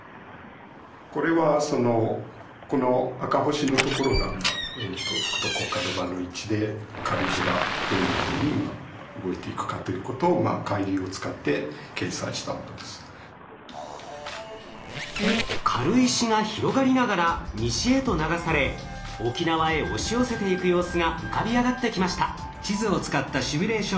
これは軽石が広がりながら西へと流され沖縄へ押し寄せていく様子が浮かび上がってきました。